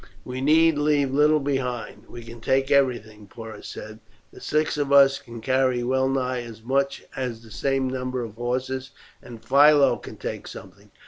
"We need leave little behind. We can take everything," Porus said. "The six of us can carry well nigh as much as the same number of horses, and Philo can take something.